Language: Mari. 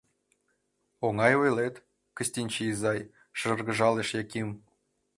— Оҥай ойлет, Кыстинчи изай, — шыргыжалеш Яким.